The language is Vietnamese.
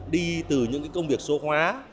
đi từ những công việc số hóa